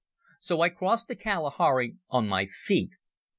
So I crossed the Kalahari on my feet.